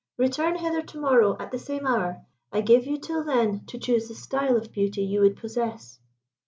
Return hither to morrow, at the same hour, I give you till then to choose the style of beauty you would possess."